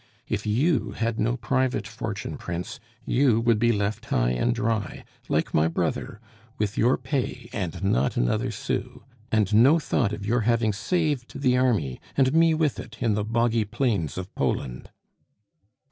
If you had no private fortune, Prince, you would be left high and dry, like my brother, with your pay and not another sou, and no thought of your having saved the army, and me with it, in the boggy plains of Poland."